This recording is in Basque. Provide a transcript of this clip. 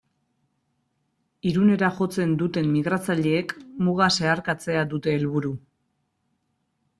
Irunera jotzen duten migratzaileek muga zeharkatzea dute helburu.